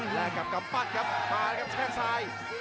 และกับกำปัดครับมานะครับแท่งซ้าย